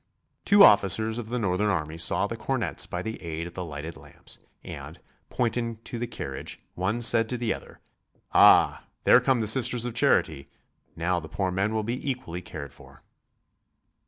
Two officers of the Northern army saw the cornettes by the aid of the lighted lamps, and, pointing to the carriage, one said to the other: "Ah, there come the Sisters of Charity; now the poor men will be equally cared for."